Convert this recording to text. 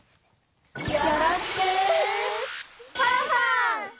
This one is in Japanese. よろしくファンファン！